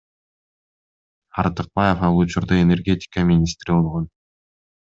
Артыкбаев ал учурда энергетика министри болгон.